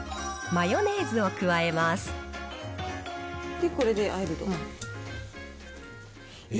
でこれで和える。